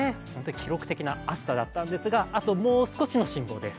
記録的な暑さだったんですが、あともう少しの辛抱です。